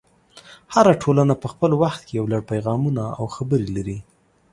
هره ټولنه په خپل وخت کې یو لړ پیغامونه او خبرې لري.